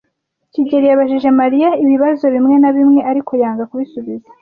kigeli yabajije Mariya ibibazo bimwe na bimwe, ariko yanga kubisubiza.